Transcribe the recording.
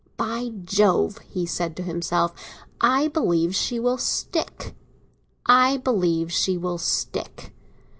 "By Jove," he said to himself, "I believe she will stick—I believe she will stick!"